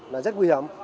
là rất nguy hiểm